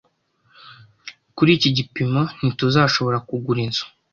Kuri iki gipimo, ntituzashobora kugura inzu